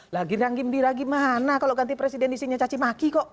lagi riang gembira gimana kalau ganti presiden di sini cacimaki kok